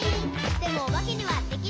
「でもおばけにはできない」